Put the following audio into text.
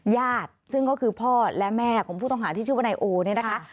ซึ่งก็คือพ่อและแม่ของผู้ต้องหาที่ชื่อว่านายโอเนี่ยนะคะ